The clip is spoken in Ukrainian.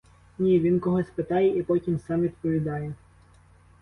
Ні, він когось питає і потім сам відповідає.